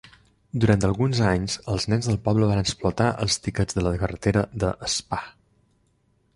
Durant alguns anys els nens del poble van explotar els tiquets de la carretera de Spa.